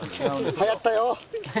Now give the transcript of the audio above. はやったよ。